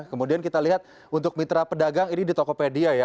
kemudian kita lihat untuk mitra pedagang ini di tokopedia ya